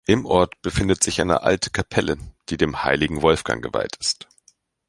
Im Ort befindet sich eine alte Kapelle, die dem Heiligen Wolfgang geweiht ist.